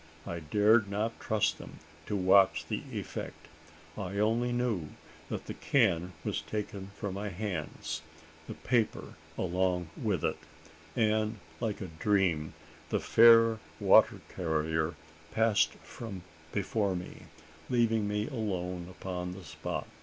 I dared not trust them to watch the effect. I only knew that the can was taken from my hands the paper along with it; and, like a dream, the fair water carrier passed from before me leaving me alone upon the spot!